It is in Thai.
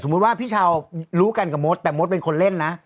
สมมุติว่าพี่ชาวรู้กันกับมดแต่มดเป็นคนเล่นนะ